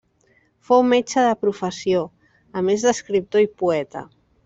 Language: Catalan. Fou metge de professió, a més d'escriptor i poeta.